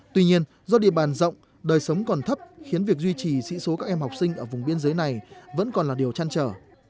tuy nhiên do địa bàn rộng đời sống còn thấp khiến việc duy trì sĩ số các em học sinh ở vùng biên giới này vẫn còn là điều chăn trở